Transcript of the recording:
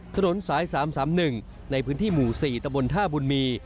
ถนนสาย๓๓๑ในพื้นที่หมู่๔ตะบนท่าบุญมี